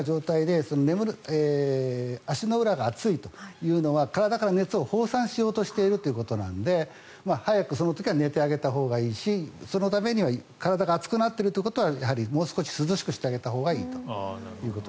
今、まさに状態で足の裏が熱いというのは体から熱を放散しようとしているということなので早くその時は寝てあげたほうがいいしそのためには体が熱くなっているということはもう少し涼しくしてあげたほうがいいと。